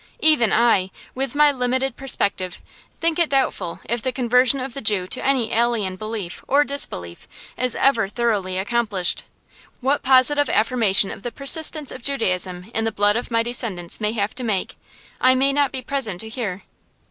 Even I, with my limited perspective, think it doubtful if the conversion of the Jew to any alien belief or disbelief is ever thoroughly accomplished. What positive affirmation of the persistence of Judaism in the blood my descendants may have to make, I may not be present to hear.